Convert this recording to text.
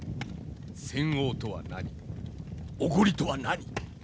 専横とは何おごりとは何。